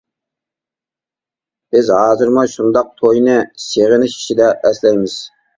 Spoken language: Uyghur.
بىز ھازىرمۇ شۇنداق توينى سېغىنىش ئىچىدە ئەسلەيمىز.